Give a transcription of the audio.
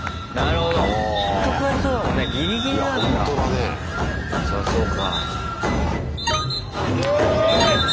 あそうか。